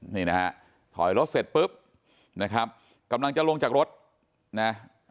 นี่นะฮะถอยรถเสร็จปุ๊บนะครับกำลังจะลงจากรถนะ